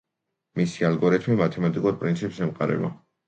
მისი ალგორითმი მათემატიკურ პრინციპს ემყარება.